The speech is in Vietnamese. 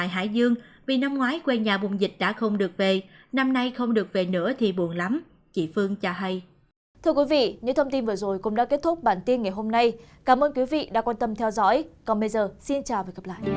hãy đăng ký kênh để ủng hộ kênh của chúng mình nhé